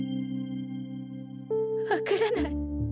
分からない。